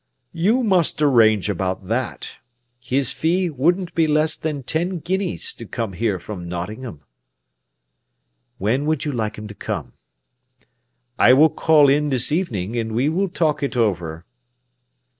"You must arrange about that. His fee wouldn't be less than ten guineas to come here from Nottingham." "When would you like him to come?" "I will call in this evening, and we will talk it over."